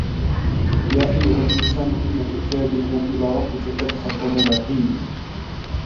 يَا أَيُّهَا الْإِنْسَانُ إِنَّكَ كَادِحٌ إِلَى رَبِّكَ كَدْحًا فَمُلَاقِيهِ